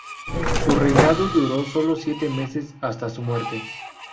Su reinado duró solo siete meses hasta su muerte.